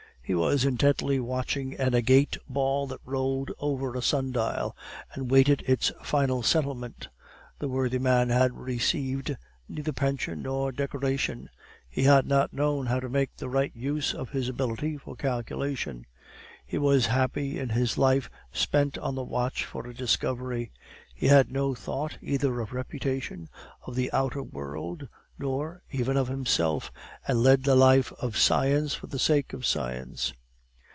He was intently watching an agate ball that rolled over a sun dial, and awaited its final settlement. The worthy man had received neither pension nor decoration; he had not known how to make the right use of his ability for calculation. He was happy in his life spent on the watch for a discovery; he had no thought either of reputation, of the outer world, nor even of himself, and led the life of science for the sake of science.